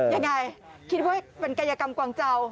ยังไงคิดว่าเป็นกายกรรมกวางเจ้า